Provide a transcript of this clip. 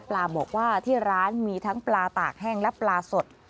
บอกว่าที่ร้านมีทั้งปลาตากแห้งและปลาสด